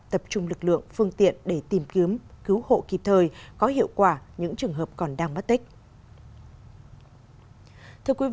tập trung lực lượng phương tiện để tìm kiếm cứu hộ kịp thời có hiệu quả những trường hợp còn đang mất tích